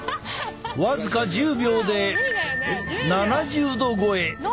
僅か１０秒で７０℃超え！